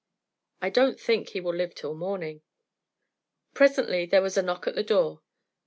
"I don't think he will live till morning." Presently there was a knock at the door.